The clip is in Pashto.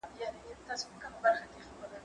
زه کولای سم کتابونه وړم!.